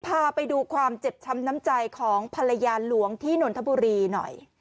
พาไปดูความเจ็บช้ำน้ำใจของภรรยาหลวงที่นนทบุรีหน่อย